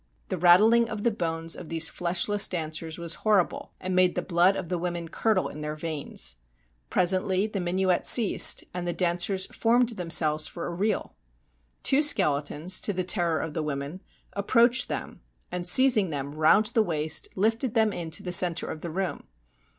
The rattling of the bones of these fleshless dancers was horrible, and made the blood of the women curdle in their veins. Presently the minuet ceased, and the dancers formed themselves for a reel. Two skeletons, to the terror of the women, approached them, and seizing THE STRANGE STORY OF MAJOR WEIR u them round the waist lifted them into the centre of the room.